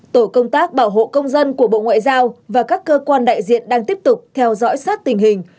tổ công tác bảo hộ công dân của bộ ngoại giao và các cơ quan đại diện đang tiếp tục theo dõi sát tình hình